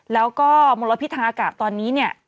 แล้วก็มลพิธาอากาศตอนนี้เนี่ย